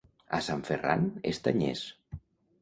A Sant Ferran, estanyers.